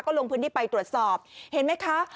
ลงพื้นที่ไปตรวจสอบเห็นไหมคะ